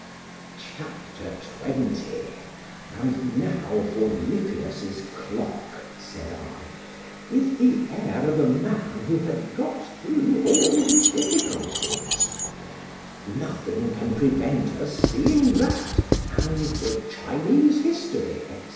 C H A P. XX ANS now for Lippius's clock! said I, with the air of a man, who had got thro' all his difficulties——nothing can prevent us seeing that, and the Chinese history, &c.